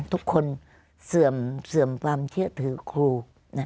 ทุกคนเสื่อมความเชื่อถือครู